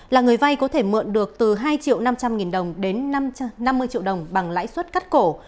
là người vay có thể mượn được từ hai triệu năm trăm linh nghìn đồng đến năm mươi triệu đồng bằng lãi suất cắt cổ